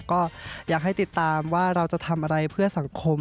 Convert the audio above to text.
ก็อยากให้ติดตามว่าเราจะทำอะไรเพื่อสังคม